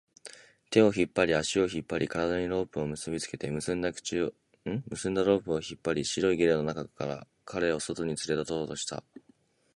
手を引っ張り、足を引っ張り、体にロープを結びつけて、結んだロープを引っ張り、白いゲルの中から彼を外に連れ出そうとした